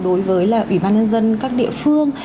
đối với ủy ban nhân dân các địa phương